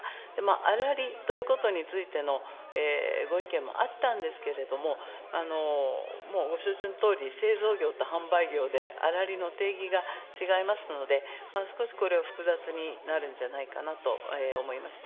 粗利ということについてのご意見もあったんですけれども、ご承知のとおり、製造業と販売業で粗利の定義が違いますので、少しこれを複雑になるんじゃないかなと思いました。